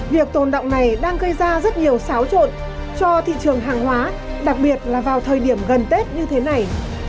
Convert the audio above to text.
vậy đang gây ra rất nhiều xáo trộn cho thị trường hàng hóa đặc biệt là vào thời điểm gần tết như thế này